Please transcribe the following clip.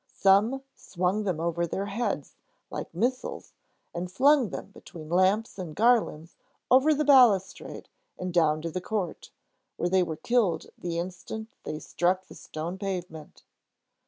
Some swung them over their heads, like missiles, and flung them between lamps and garlands over the balustrade and down to the court, where they were killed the instant they struck the stone pavement.